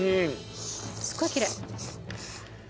すごいきれい。